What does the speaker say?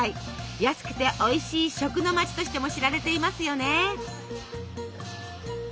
安くておいしい食の街としても知られていますよね。